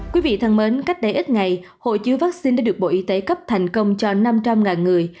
quý vị thân mến cách đây ít ngày hộ chiếu vắc xin đã được bộ y tế cấp thành công cho năm trăm linh người